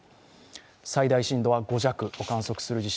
最大震度は５弱を観測する地震。